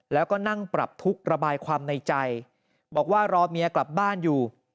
แล้วก็นั่งปรับทุกข์ระบายความในใจบอกว่ารอเมียกลับบ้านอยู่